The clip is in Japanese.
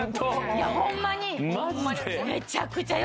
いやホンマに。